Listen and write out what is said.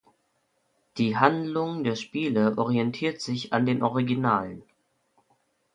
Die Handlung der Spiele orientiert sich an den Originalen.